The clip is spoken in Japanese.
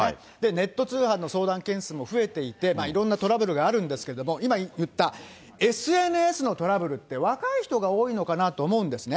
ネット通販の相談件数も増えていて、いろんなトラブルがあるんですけども、今言った、ＳＮＳのトラブルって若い人が多いのかなと思うんですね。